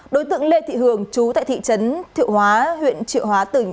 đối tượng lê thị hường chú tại thị trấn thiệu hóa huyện triệu hóa tỉnh